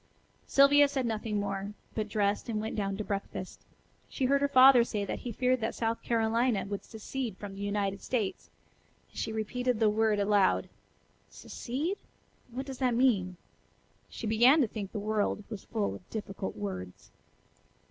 Sylvia said nothing more, but dressed and went down to breakfast. She heard her father say that he feared that South Carolina would secede from the United States, and she repeated the word aloud: "'Secede'? What does that mean?" She began to think the world was full of difficult words.